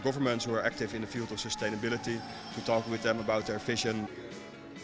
pemerintah yang aktif di bidang kesehatan untuk berbicara dengan mereka tentang visi mereka